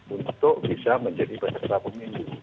untuk bisa menjadi penyelidikan